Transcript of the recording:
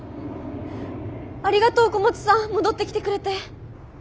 ありがとう小松さん戻ってきてくれて。